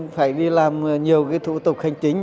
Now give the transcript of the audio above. phải đi làm nhiều cái thủ tục hành chính